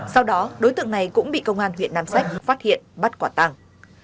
sau đó đối tượng này cũng bị công an huyện nam sách phát hiện bắt quả tàng